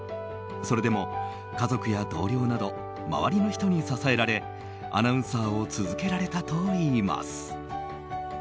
それでも家族や同僚など周りの人に支えられアナウンサーを続けられたといいます。